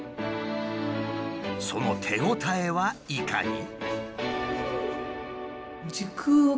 その手応えはいかに？